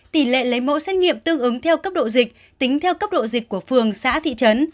tỷ lệ lấy mẫu xét nghiệm tương ứng theo cấp độ dịch tính theo cấp độ dịch của phường xã thị trấn